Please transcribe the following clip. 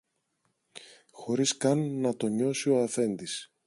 χωρίς καν να το νιώσει ο Αφέντης.